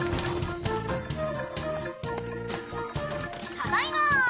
ただいま！